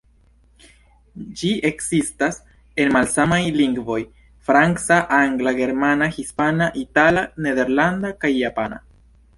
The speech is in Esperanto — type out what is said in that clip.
Ĝi ekzistas en malsamaj lingvoj: franca, angla, germana, hispana, itala, nederlanda kaj japana.